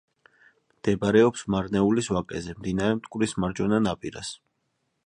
მდებარეობს მარნეულის ვაკეზე, მდინარე მტკვრის მარჯვენა ნაპირას.